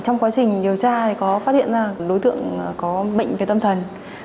trong quá trình điều tra thì có phát hiện ra đối tượng có bệnh về tâm thần